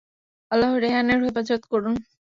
আল্লাহ্ রেহান এর হেফাজত করুন!